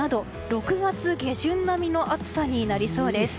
６月下旬並みの暑さになりそうです。